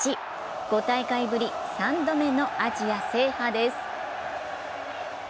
５大会ぶり３度目のアジア制覇です。